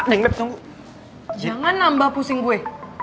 jangan nambah pusing gue